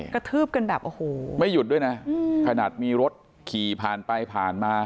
กระทืบกันแบบโอ้โหไม่หยุดด้วยนะขนาดมีรถขี่ผ่านไปผ่านมา